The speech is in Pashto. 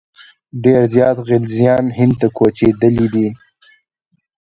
ډېر زیات خلجیان هند ته کوچېدلي دي.